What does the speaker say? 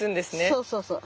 そうそうそう。